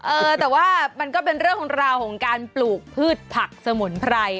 เออแต่ว่ามันก็เป็นเรื่องของราวของการปลูกพืชผักสมุนไพร